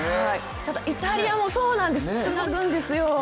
ただイタリアもそうなんです、つなぐんですよ。